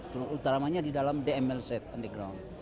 terutamanya di dalam dmlz underground